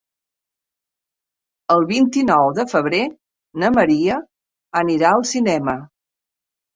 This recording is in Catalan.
El vint-i-nou de febrer na Maria anirà al cinema.